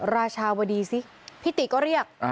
ราชาวดีสิพี่ติก็เรียก